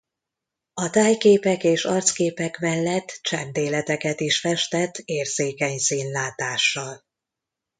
A tájképek és arcképek mellett csendéleteket is festett érzékeny színlátással.